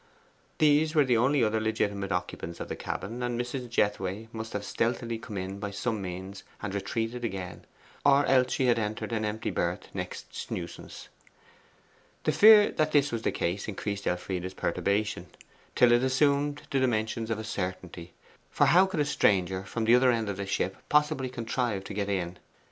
These were the only other legitimate occupants of the cabin, and Mrs. Jethway must have stealthily come in by some means and retreated again, or else she had entered an empty berth next Snewson's. The fear that this was the case increased Elfride's perturbation, till it assumed the dimensions of a certainty, for how could a stranger from the other end of the ship possibly contrive to get in?